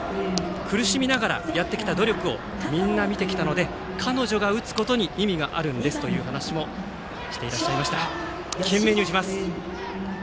苦しみながらやってきた努力をみんな見てきたので彼女が打つことに意味があるんですという話もしていらっしゃいました。